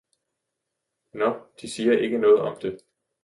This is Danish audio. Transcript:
Nå, De siger ikke noget om det!